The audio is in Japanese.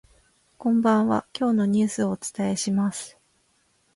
こんばんは、今日のニュースをお伝えします。